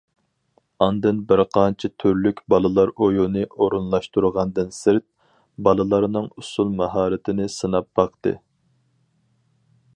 ئاندىن بىر قانچە تۈرلۈك بالىلار ئويۇنى ئورۇنلاشتۇرغاندىن سىرت، بالىلارنىڭ ئۇسۇل ماھارىتىنى سىناپ باقتى.